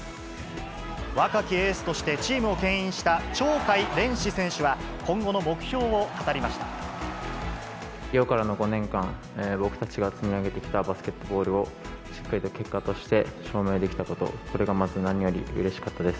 若きエースとして、チームをけん引した鳥海連志選手は、リオからの５年間、僕たちが積み上げてきたバスケットボールを、しっかりと結果として証明できたこと、これがまず何よりうれしかったです。